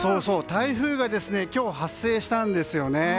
台風が今日発生したんですよね。